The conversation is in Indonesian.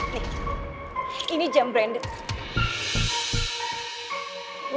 nih ini jam brandon